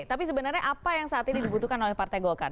tapi sebenarnya apa yang saat ini dibutuhkan oleh partai golkar